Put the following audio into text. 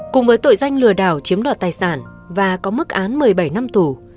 cùng với tội danh lừa đảo chiếm đoạt tài sản và có mức án một mươi bảy năm tù